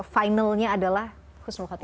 finalnya adalah khusnul khatib